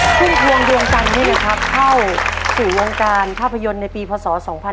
ขึ้นทวงวงการนี้นะครับเข้าสู่วงการภาพยนตร์ในปีพศ๒๕๒๖